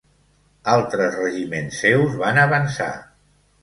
Altres regiments seus van avançar.